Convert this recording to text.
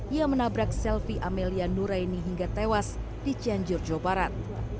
ia menabrak selvi amelia nuraini hingga tewas di cianjur jawa barat